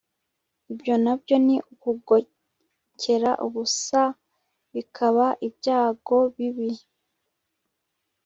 ibyo na byo ni ukugokera ubusa, bikaba n'ibyago bibi